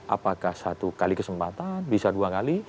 apakah satu kali kesempatan bisa dua kali